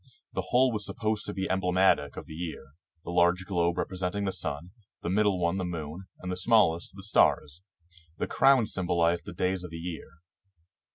The whole was supposed to be emblematic of the year; the large globe representing the sun, the middle one the moon, and the smallest the stars. The crowns symbol ized the days of the year.